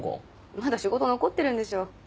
まだ仕事残ってるんでしょ？